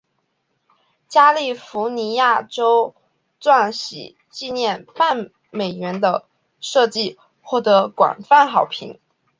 加利福尼亚州钻禧纪念半美元的设计获得广泛好评。